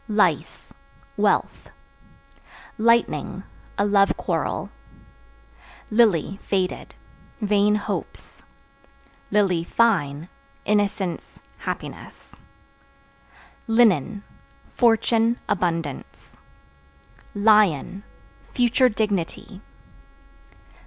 Lice Wealth. Lightning A love quarrel. Lily (Faded) vain hopes; (fine) innocence, happiness. Linen Fortune, abundance. Lion Future dignity.